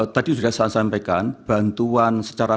tadi sudah saya sampaikan bantuan secara